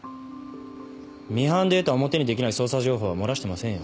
ミハンで得た表にできない捜査情報は漏らしてませんよ。